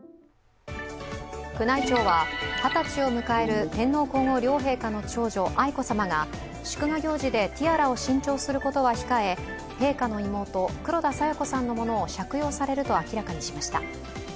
宮内庁は、二十歳を迎える天皇皇后両陛下の長女・愛子さまが祝賀行事でティアラを新調することは控え、陛下の妹・黒田清子さんのものを借用されると明らかにしました。